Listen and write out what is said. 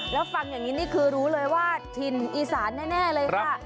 แล้วฟังอย่างนี้นี่คือรู้เลยว่าถิ่นอีสานแน่เลยค่ะ